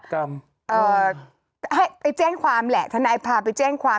ให้ไปแจ้งความแหละทนายพาไปแจ้งความ